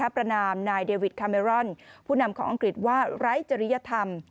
ประนามนายเดวิดคาเมรอนผู้นำของอังกฤษว่าไร้จริยธรรม